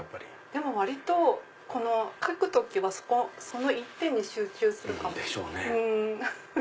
でも割と描く時はその一点に集中するかも。でしょうね。